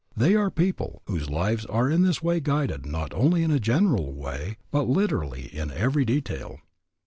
They are people whose lives are in this way guided not only in a general way, but literally in every detail.